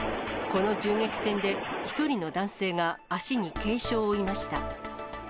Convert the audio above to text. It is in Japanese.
この銃撃戦で、１人の男性が足に軽傷を負いました。